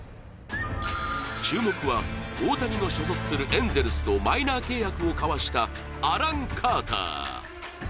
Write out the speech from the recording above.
注目は大谷の所属するエンゼルスとマイナー契約を交わしたアラン・カーター。